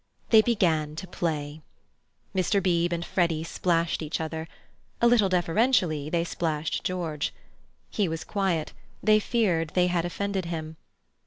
They began to play. Mr. Beebe and Freddy splashed each other. A little deferentially, they splashed George. He was quiet: they feared they had offended him.